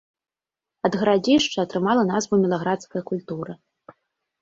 Ад гарадзішча атрымала назву мілаградская культура.